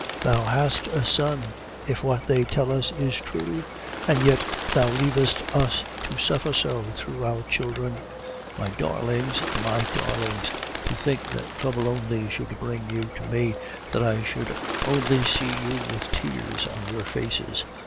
Thou hast a Son, if what they tell us is true, and yet Thou leavest us to suffer so through our children. My darlings, my darlings! to think that trouble only should bring you to me, that I should only see you with tears on your faces!